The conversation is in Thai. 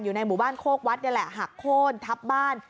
อยู่ในหมู่บ้านโคกวัดนี่แหละหักโค้นทับบ้าน